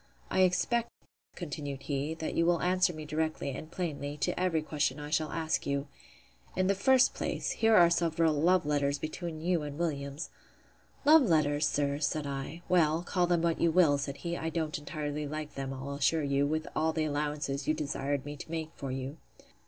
I expect, continued he, that you will answer me directly, and plainly, to every question I shall ask you.—In the first place, here are several love letters between you and Williams. Love letters! sir, said I.—Well, call them what you will, said he, I don't entirely like them, I'll assure you, with all the allowances you desired me to make for you.